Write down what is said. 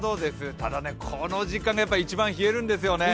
ただこの時間が一番冷えるんですよね。